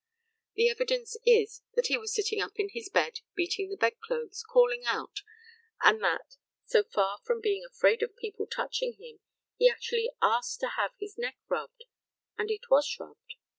The evidence is, that he was sitting up in his bed beating the bedclothes, calling out, and that, so far from being afraid of people touching him, he actually asked to have his neck rubbed; and it was rubbed.